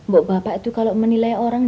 bu bapak itu kalau menilai orang